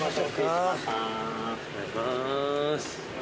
お願いします。